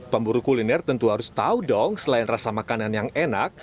pemburu kuliner tentu harus tahu dong selain rasa makanan yang enak